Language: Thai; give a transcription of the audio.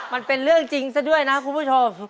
มันเป็นเรื่องจริงซะด้วยนะคุณผู้ชม